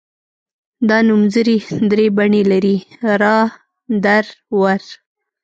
دا نومځري درې بڼې لري را در ور.